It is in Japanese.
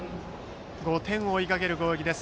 ５点を追いかける攻撃です。